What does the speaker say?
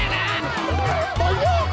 oleh jangan lebarin aja